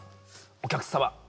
お客様